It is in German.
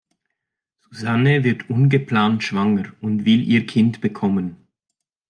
Susanne wird ungeplant schwanger und will ihr Kind bekommen.